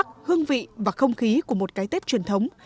với màu sắc hương vị và không khí của một cái tết truyền thống